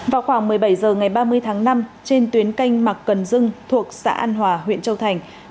vào khoảng một mươi bảy h ngày ba mươi tháng năm trên tuyến canh mặc cần dưng thuộc xã an hòa huyện châu thành